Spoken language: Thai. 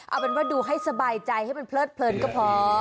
เอาเป็นว่าดูให้สบายใจให้มันเพลิดเพลินก็พอ